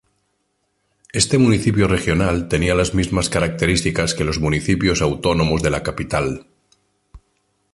Este municipio regional tenía las mismas características que los municipios autónomos de la capital.